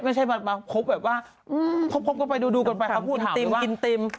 ไม่ใช่มาคบแบบว่าคบก็ไปดูก่อนแปลงแล้วพูดถาม